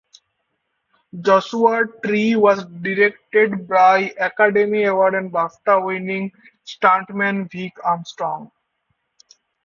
"Joshua Tree" was directed by Academy Award and Bafta winning stuntman Vic Armstrong.